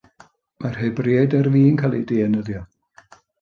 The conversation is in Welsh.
Mae'r Hebreaid ar fin cael eu dienyddio.